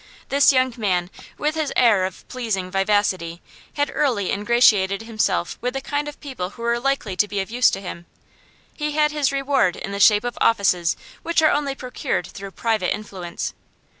This young man, with his air of pleasing vivacity, had early ingratiated himself with the kind of people who were likely to be of use to him; he had his reward in the shape of offices which are only procured through private influence.